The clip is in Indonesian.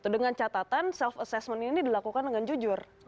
dengan catatan self assessment ini dilakukan dengan jujur